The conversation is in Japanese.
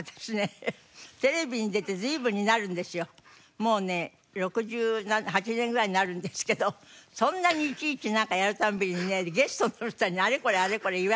もうね６７６８年ぐらいになるんですけどそんなにいちいちなんかやる度にねゲストの人にあれこれあれこれ言われたくないと思う。